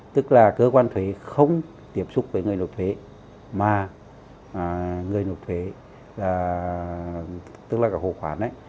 tức là cơ quan thuế không tiếp xúc với người nộp thuế mà người nộp thuế tức là cả hộ khoản